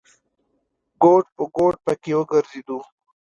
ګوټ په ګوټ پکې وګرځېدو.